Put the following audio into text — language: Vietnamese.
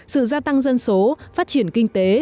sự gia tăng dân số phát triển kinh tế